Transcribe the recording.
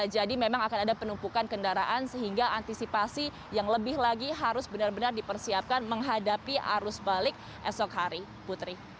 jadi memang akan ada penumpukan kendaraan sehingga antisipasi yang lebih lagi harus benar benar dipersiapkan menghadapi arus balik esok hari